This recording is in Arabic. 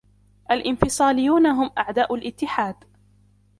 الإنفصاليون هم أعداء الإتحاد.